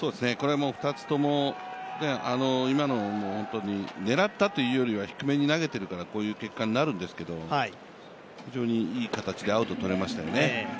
２つとも、今のも狙ったというよりは低めに投げてるからこういう結果になるんですけれども、非常にいい形でアウトを取れましたよね。